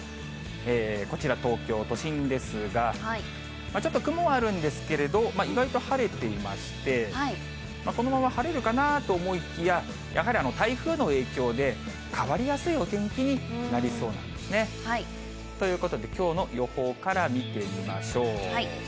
こちら、東京都心ですが、ちょっと雲はあるんですけれど、意外と晴れていまして、このまま晴れるかなぁ？と思いきや、やはり台風の影響で、変わりやすいお天気になりそうなんですね。ということで、きょうの予報から見てみましょう。